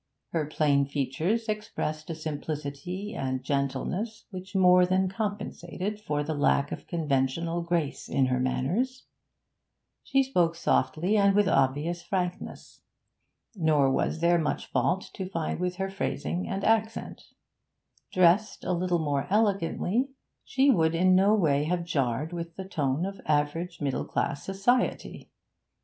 Her plain features expressed a simplicity and gentleness which more than compensated for the lack of conventional grace in her manners; she spoke softly and with obvious frankness, nor was there much fault to find with her phrasing and accent; dressed a little more elegantly, she would in no way have jarred with the tone of average middle class society.